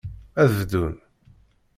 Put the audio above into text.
Ad bdun.